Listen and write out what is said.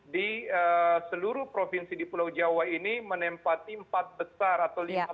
di seluruh provinsi di pulau jawa ini menempati empat besar atau lima